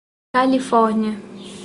Califórnia